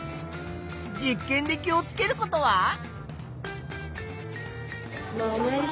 実験で気をつけることは？